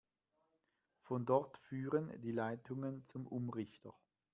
Von dort führen die Leitungen zum Umrichter.